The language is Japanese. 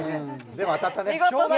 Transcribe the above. でも当たったね。